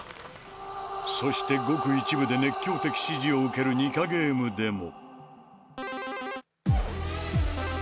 そしてごく一部で熱狂的支持を受けるニカゲームでも。